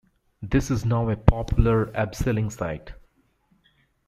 This is now a popular abseiling site.